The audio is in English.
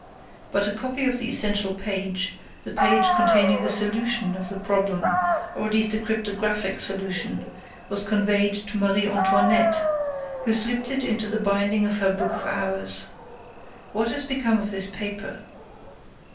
But a copy of the essential page, the page containing the solution of the problem, or at least a cryptographic solution, was conveyed to Marie Antoinette, who slipped it into the binding of her book of hours. What has become of this paper?